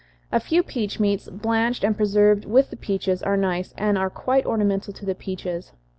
A few peach meats, blanched and preserved with the peaches, are nice, and are quite ornamental to the peaches.